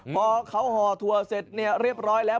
พอเขาห่อถั่วเสร็จเนี่ยเรียบร้อยแล้ว